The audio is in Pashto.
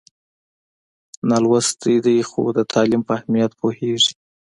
نالوستی دی خو د تعلیم په اهمیت پوهېږي.